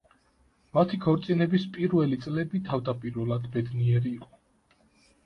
მათი ქორწინების პირველი წლები თავდაპირველად ბედნიერი იყო.